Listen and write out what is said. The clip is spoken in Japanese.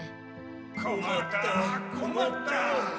こまったこまった。